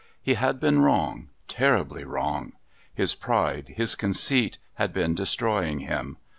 He had been wrong, terribly wrong. His pride, his conceit, had been destroying him.